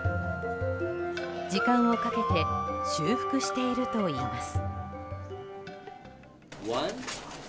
時間をかけて修復しているといいます。